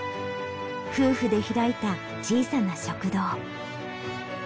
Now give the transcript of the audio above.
夫婦で開いた小さな食堂。